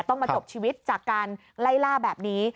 ต้องมาจบชีวิตจากการไล่ล่าแบบนี้